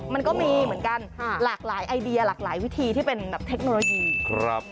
มันก็มีเหมือนกันหลากหลายไอเดียหลากหลายวิธีที่เป็นแบบเทคโนโลยีครับ